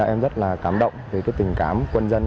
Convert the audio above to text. em rất là cảm động vì cái tình cảm quân dân